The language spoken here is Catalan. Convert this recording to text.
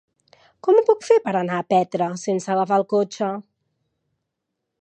Com ho puc fer per anar a Petra sense agafar el cotxe?